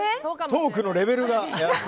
トークのレベルが。